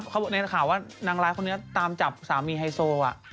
เขาในข่าวว่านางร้ายคนนี้ตามจับสามีไฮโซ